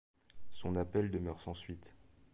Son appel demeure sans suite.